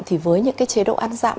thì với những cái chế độ ăn dặm